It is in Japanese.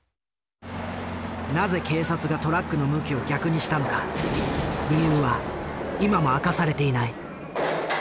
なぜ警察がトラックの向きを逆にしたのか理由は今も明かされていない。